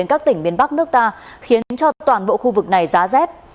các nước ta khiến cho toàn bộ khu vực này giá rét